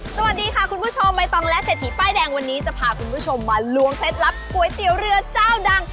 สวัสดีค่ะคุณผู้ชมใบตองและเศรษฐีป้ายแดงวันนี้จะพาคุณผู้ชมมาล้วงเคล็ดลับก๋วยเตี๋ยวเรือเจ้าดัง